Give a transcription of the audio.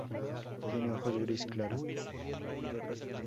Tiene ojos gris claro.